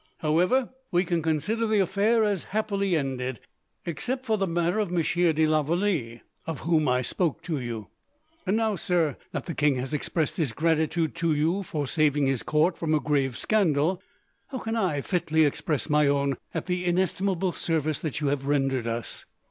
However, we can consider the affair as happily ended, except for the matter of Monsieur de la Vallee, of whom I spoke to you. "And now, sir, that the king has expressed his gratitude to you, for saving his court from a grave scandal, how can I fitly express my own, at the inestimable service that you have rendered us?"